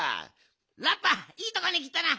ラッパーいいとこにきたな。